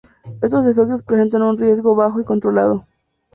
Estos efectos presentan un riesgo bajo y controlado.